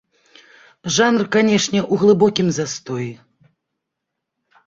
Жанр, канешне, у глыбокім застоі.